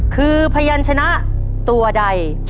คือพยานชนะตัวใด